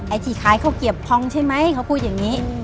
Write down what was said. ไอ้ที่ขายข้าวเกียบพองใช่ไหมเขาพูดอย่างนี้